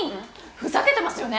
ふざけてますよね。